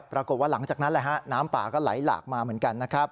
ปรากฏว่าหลังจากนั้นน้ำป่าก็ไหลหลากมาเหมือนกันนะครับ